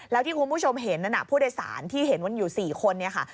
แล้วที่คุณผู้ชมเห็นนั้นผู้โดยสารที่เห็นมันอยู่๔คนเนี่ยค่ะ